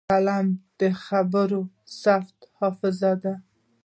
قلم د خبرو د ثبت حافظه ده